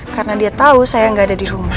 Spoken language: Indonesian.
karena dia tau saya gak ada di rumah